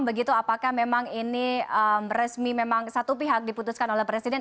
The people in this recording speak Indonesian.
begitu apakah memang ini resmi memang satu pihak diputuskan oleh presiden